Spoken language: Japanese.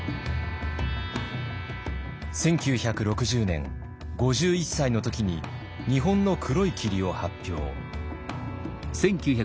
１９６０年５１歳の時に「日本の黒い霧」を発表。